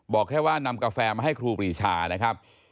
บอกแค่ว่านำกาแฟมาให้ครูปรีชานะครับ